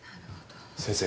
先生！